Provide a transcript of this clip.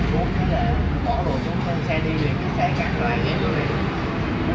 từ bấy giờ đến bấy giờ